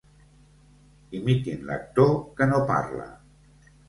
Imitin l'actor que no parla.